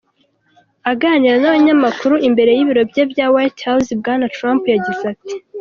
Aganira n'abanyamakuru imbere y'ibiro bye bya White House, Bwana Trump yagize ati:.